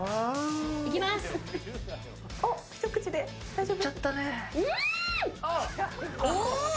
一口で大丈夫？